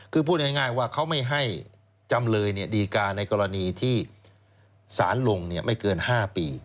คือพูดง่ายว่าเขาไม่ให้จำเลยดีการในกรณีที่สารลงไม่เกิน๕ปี